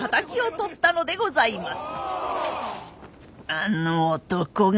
あの男が。